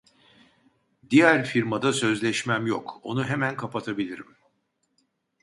Diğer firmada sözleşmem yok onu hemen kapatabilirim